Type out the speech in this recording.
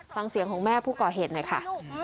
ฟังเสียงของแม่ผู้ก่อเหตุหน่อยค่ะ